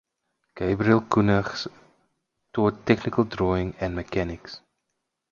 Gabriel Koenigs taught technical drawing and mechanics.